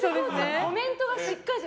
コメントがしっかりしてる